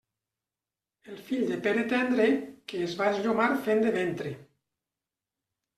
El fill del Pere Tendre, que es va esllomar fent de ventre.